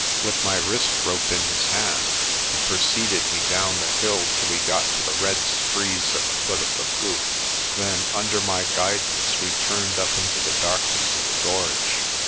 With my wrist rope in his hand, he preceded me down the hill till we got to the red screes at the foot of the kloof. Then, under my guidance, we turned up into the darkness of the gorge.